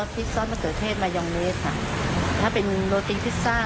ที่สอตมะเขือเทศไมโยงเลสค่ะถ้าเป็นโรติ้นพิซซ่า